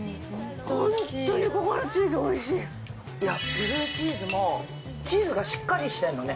ブルーチーズもチーズがしっかりしてんのね。